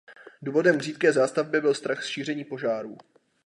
Důvodem k řídké zástavbě byl strach z šíření požárů.